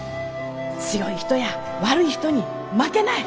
強い人や悪い人に負けない！